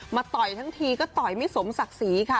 ต่อยทั้งทีก็ต่อยไม่สมศักดิ์ศรีค่ะ